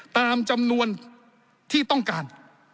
ตามจำนวนที่ต้องการ